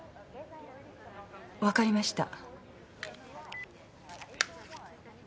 わかりました。